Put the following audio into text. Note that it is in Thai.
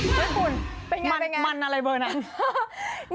เฮ้ยคุณเป็นไงมันอะไรเบอร์นั้น